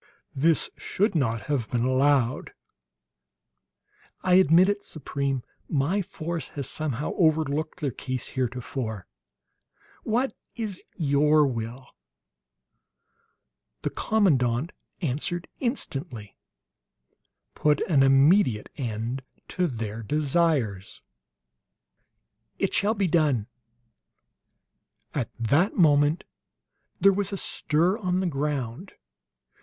"This should not have been allowed!" "I admit it, Supreme; my force has somehow overlooked their case, heretofore. What is your will?" The commandant answered instantly: "Put an immediate end to their desires!" "It shall be done!" At that moment there was a stir on the ground.